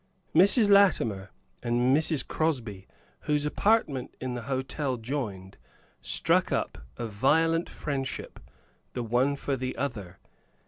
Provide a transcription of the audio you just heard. Mrs. Latimer and Mrs. Crosby, whose apartments in the hotel joined, struck up a violent friendship, the one for the other.